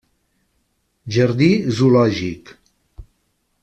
Jardí Zoològic.